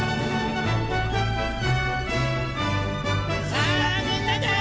さあみんなで。